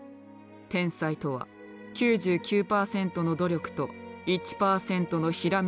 「天才とは９９％の努力と１％のひらめきである」と。